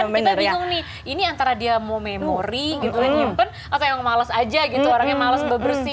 kita bingung nih ini antara dia mau memori gitu atau yang males aja gitu orang yang males bebersih